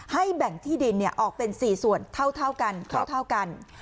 ให้แบ่งที่ดินเนี่ยออกเป็นสี่ส่วนเท่าเท่ากันเท่าเท่ากัน